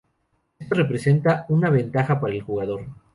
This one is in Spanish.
Esto representa una ventaja para el jugador.